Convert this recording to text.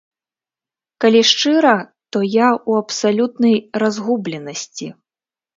Калі шчыра, то я ў абсалютнай разгубленасці.